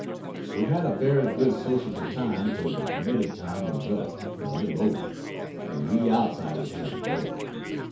We had a very good sociable time till the permitted time was up and a little over, and we outsiders had to go.